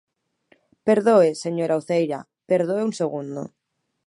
Perdoe, señora Uceira, perdoe un segundo.